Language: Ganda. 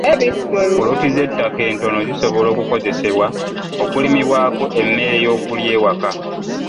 Poloti z'ettaka entono zisobola okukozesebwa okulimibwako emmere y'okulya ewaka.